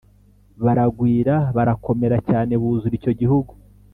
Baragwira barakomera cyane buzura icyo gihugu